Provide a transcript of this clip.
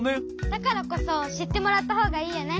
だからこそしってもらったほうがいいよね。